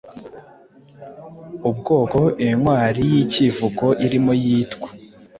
Ubwoko intwari yicyivugo irimo Yitwa